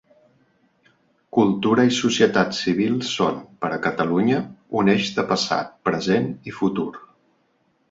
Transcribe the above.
Cultura i societat civil són, per a Catalunya, un eix de passat, present i futur.